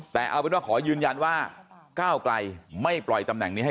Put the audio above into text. แต่เอาเป็นว่าขอยืนยันว่าก้าวไกลไม่ปล่อยตำแหน่งนี้ให้